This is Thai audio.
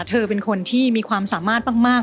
เธอเป็นคนที่มีความสามารถมาก